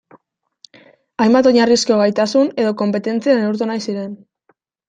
Hainbat oinarrizko gaitasun edo konpetentzia neurtu nahi ziren.